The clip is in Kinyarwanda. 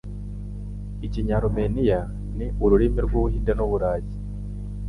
Ikinyarumeniya ni ururimi rw'Ubuhinde n'Uburayi.